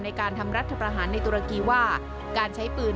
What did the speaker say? ในการทำรัฐประหารในตุรกีว่าการใช้ปืน